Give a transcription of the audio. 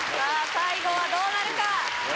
最後はどうなるか？